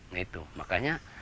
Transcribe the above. nah itu makanya